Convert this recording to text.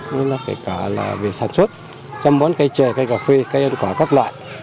nên là kể cả là về sản xuất chăm bón cây chè cây cà phê cây ăn quả các loại